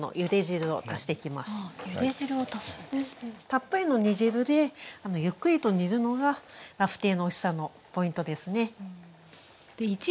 たっぷりの煮汁でゆっくりと煮るのがラフテーのおいしさのポイントですね。